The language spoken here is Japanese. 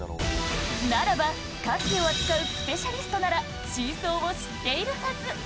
ならば、カキを扱うスペシャリストなら、真相を知っているはず。